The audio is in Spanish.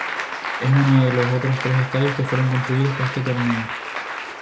Es uno de los otros tres estadios que fueron construidos para este torneo.